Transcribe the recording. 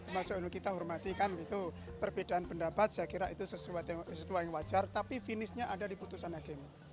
maksudnya kita hormati kan itu perbedaan pendapat saya kira itu sesuatu yang wajar tapi finishnya ada di putusan hakim